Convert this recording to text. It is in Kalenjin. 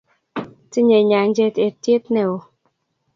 Tinyei nyanjet eitiet neo missing